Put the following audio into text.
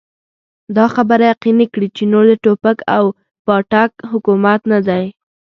دا خبره يقيني کړي چې نور د ټوپک او پاټک حکومت نه دی.